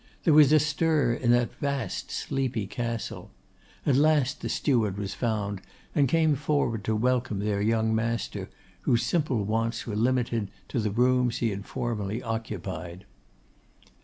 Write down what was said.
There was a stir in that vast, sleepy castle. At last the steward was found, and came forward to welcome their young master, whose simple wants were limited to the rooms he had formerly occupied.